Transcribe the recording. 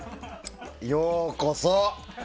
ようこそ！